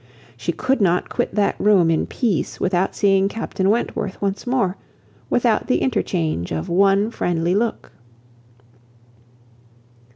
She could not quit that room in peace without seeing Captain Wentworth once more, without the interchange of one friendly look.